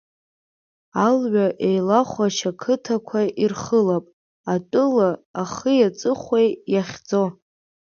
Алҩа еилахәашь ақыҭақәа ирхылап, атәыла ахыи аҵыхәеи иахьӡо.